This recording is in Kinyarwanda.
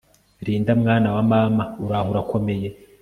Linda mwana wa mama uraho urakomeye